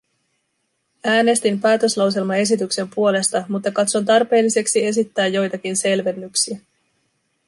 Äänestin päätöslauselmaesityksen puolesta, mutta katson tarpeelliseksi esittää joitakin selvennyksiä.